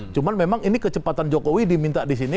cuma memang ini kecepatan jokowi diminta di sini